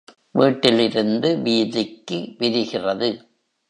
வீட்டிலிருந்து வீதிக்கு விரிகிறது.